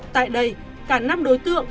tại đây cả năm đối tượng